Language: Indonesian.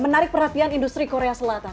menarik perhatian industri korea selatan